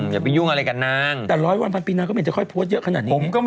อย่าไปยุ่งอะไรกับนางแต่ร้อยวันพันปีนางก็ไม่เห็นจะค่อยโพสต์เยอะขนาดนี้